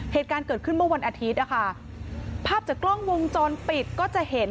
เหตุการณ์เกิดขึ้นเมื่อวันอาทิตย์นะคะภาพจากกล้องวงจรปิดก็จะเห็น